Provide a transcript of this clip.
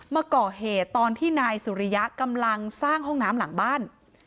มาก่อเหตุตอนที่นายสุริยะกำลังสร้างห้องน้ำหลังบ้าน